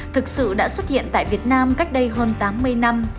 thực sự đã xuất hiện tại việt nam cách đây hơn tám mươi năm